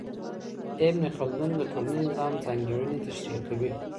ابن خلدون د ټولنیز نظام ځانګړنې تشریح کوي.